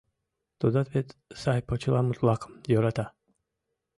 Тудат вет сай почеламут-влакым йӧрата.